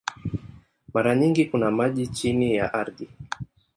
Mara nyingi kuna maji chini ya ardhi.